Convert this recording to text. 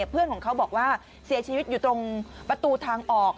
เพื่อนของเขาบอกว่าเสียชีวิตอยู่ตรงประตูทางออก